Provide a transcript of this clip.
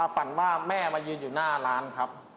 ฝันว่าแม่มายืนอยู่หน้าร้านครับ